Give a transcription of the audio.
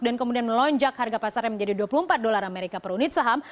dan kemudian melonjak harga pasar menjadi dua puluh empat dolar per unit saham